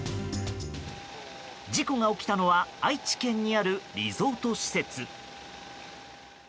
事故が起きたのは愛知県にあるリゾート施設。